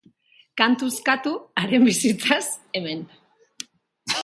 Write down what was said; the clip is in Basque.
Kantuz katu haren bizitzaz, hemen.